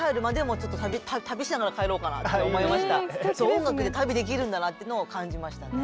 音楽で旅できるんだなっていうのを感じましたね。